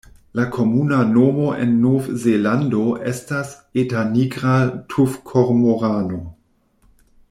La komuna nomo en Novzelando estas "Eta nigra tufkormorano".